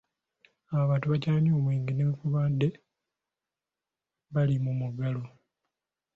Abantu bakyanywa omwenge newankubadde bali mu muggalo.